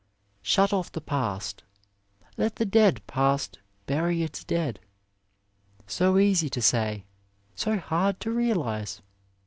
Shut off the past ! Let the dead past bury its dead. So easy to say, so hard to realize!